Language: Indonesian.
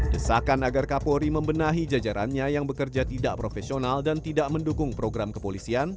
desakan agar kapolri membenahi jajarannya yang bekerja tidak profesional dan tidak mendukung program kepolisian